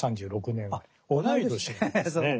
同い年なんですね。